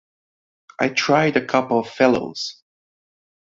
I tried a couple of fellows.